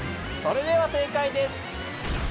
それでは正解です。